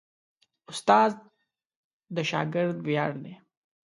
استاد د شاګرد ویاړ دی.